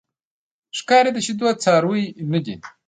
ښکاري د شیدو څاروی نه دی.